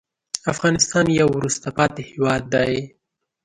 افغانستان یو وروسته پاتې هېواد دی.